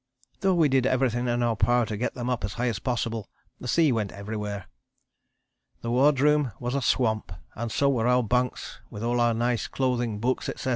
Though we did everything in our power to get them up as high as possible, the sea went everywhere. The wardroom was a swamp and so were our bunks with all our nice clothing, books, etc.